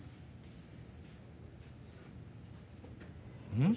うん？